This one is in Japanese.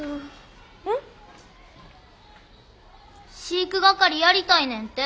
飼育係やりたいねんて。